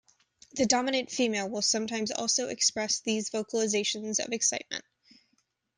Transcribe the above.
The dominant female will sometimes also express these vocalizations of excitement.